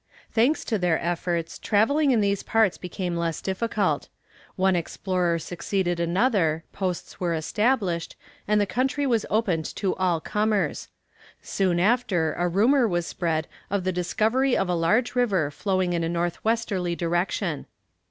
Thanks to their efforts, travelling in these parts became less difficult. One explorer succeeded another, posts were established, and the country was opened to all comers. Soon after a rumour was spread of the discovery of a large river flowing in a north westerly direction.